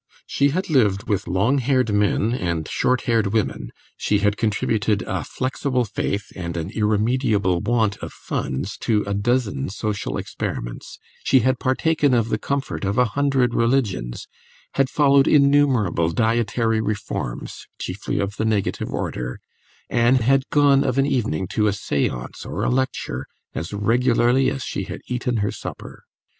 She had lived with long haired men and short haired women, she had contributed a flexible faith and an irremediable want of funds to a dozen social experiments, she had partaken of the comfort of a hundred religions, had followed innumerable dietary reforms, chiefly of the negative order, and had gone of an evening to a séance or a lecture as regularly as she had eaten her supper.